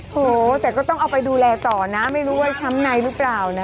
โถ่วจะก็ต้องเอาไปดูแลต่อนะไม่รู้ว่าทำไหนรึเปล่านะ